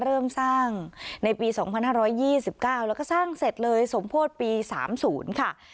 เริ่มสร้างในปี๒๕๒๙แล้วก็สร้างเสร็จเลยสมโพธิปี๓๐ค่ะ